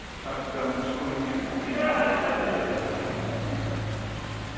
誰もツッコミがないね。